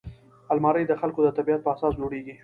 الماري د خلکو د طبعیت په اساس جوړیږي